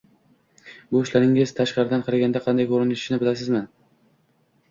Bu ishlaringiz tashqaridan qaraganda qanday ko`rinishini bilasizmi